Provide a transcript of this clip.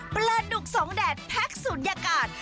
ปลาดุกสองแดดแพ็คศูนยากาศ